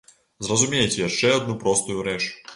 Зразумейце яшчэ адну простую рэч.